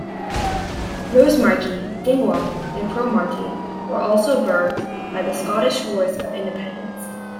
Rosemarkie, Dingwall and Cromarty were also burghs by the Scottish Wars of Independence.